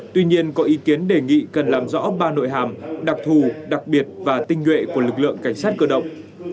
tuy nhiên có ý kiến đề nghị cần làm rõ ba nội hàm đặc thù đặc biệt và tinh nhuệ của lực lượng cảnh sát cơ động